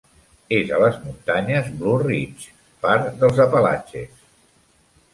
És a les muntanyes Blue Ridge, part dels Apalatxes.